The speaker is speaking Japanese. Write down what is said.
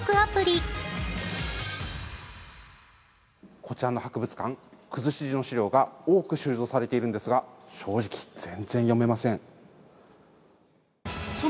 こちらの博物館、くずし字の資料が多く収蔵されているんですが正直、全然読めません。